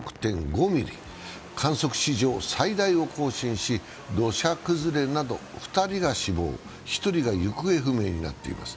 観測史上最大を更新し、土砂崩れなど２人が死亡、１人が行方不明となっています。